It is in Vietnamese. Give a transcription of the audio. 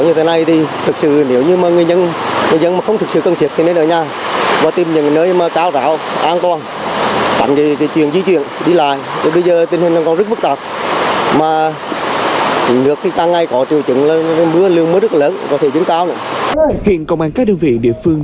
hiện công an các đơn vị địa phương